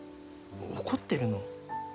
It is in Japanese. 怒ってるの？